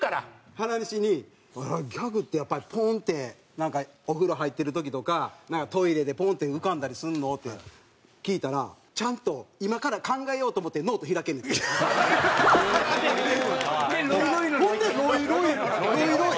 原西にギャグってやっぱりポーンッてなんかお風呂入ってる時とかトイレでポンッて浮かんだりするの？って聞いたらちゃんと今から考えようと思ってノート開けんねんて。でロイロイロロイ。